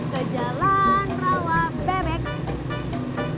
ke jalan rawa bebek